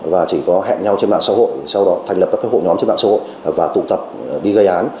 và chỉ có hẹn nhau trên mạng xã hội sau đó thành lập các hội nhóm trên mạng xã hội và tụ tập đi gây án